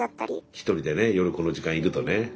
１人でね夜この時間いるとね。